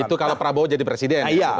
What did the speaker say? itu kalau prabowo jadi presiden